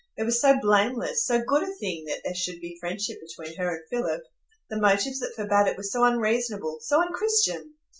It was so blameless, so good a thing that there should be friendship between her and Philip; the motives that forbade it were so unreasonable, so unchristian!